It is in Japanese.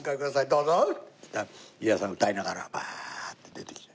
どうぞ！」って言ったら裕也さん歌いながらわあって出てきて。